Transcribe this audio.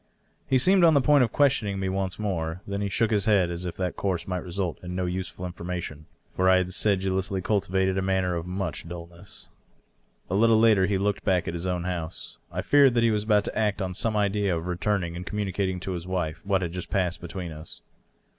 He seemed on the point of questioning me once more. Then he shook his head, as if that course might result in no useful information ; for I had sedulously cultivated a manner of much dulness. A little later he looked back at his own house. I feared that he was about to act on some idea of returning and communicating to his wife what had just passed between us.